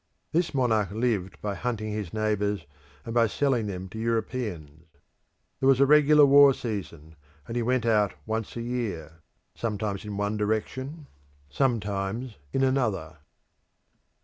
This monarch lived by hunting his neighbours and by selling them to Europeans. There was a regular war season, and he went out once a year, sometimes in one direction, sometimes in another.